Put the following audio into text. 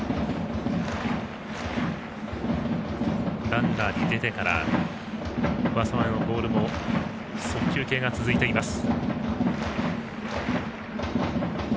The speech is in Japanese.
ランナーに出てから上沢のボールも速球系が続いています。